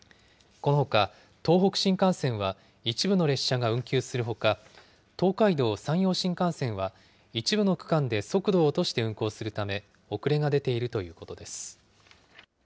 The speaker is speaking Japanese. このほか、東北新幹線は一部の列車が運休するほか、東海道・山陽新幹線は、一部の区間で速度を落として運行するため、遅れが出ているということです。